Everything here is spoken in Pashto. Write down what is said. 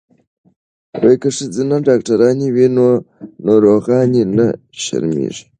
که ښځینه ډاکټرانې وي نو ناروغانې نه شرمیږي.